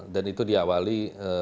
dan itu diawali